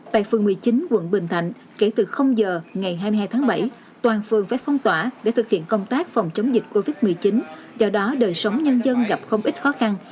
tại phường một mươi chín quận bình thạnh kể từ giờ ngày hai mươi hai tháng bảy toàn phường phải phong tỏa để thực hiện công tác phòng chống dịch covid một mươi chín do đó đời sống nhân dân gặp không ít khó khăn